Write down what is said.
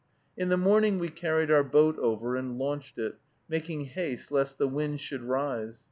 In the morning we carried our boat over and launched it, making haste lest the wind should rise.